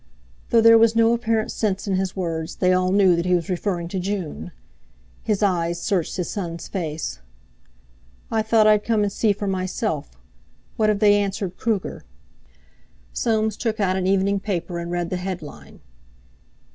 Though there was no apparent sense in his words, they all knew that he was referring to June. His eyes searched his son's face. "I thought I'd come and see for myself. What have they answered Kruger?" Soames took out an evening paper, and read the headline.